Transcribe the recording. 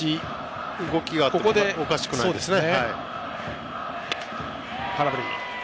ここで動きがあってもおかしくないですね。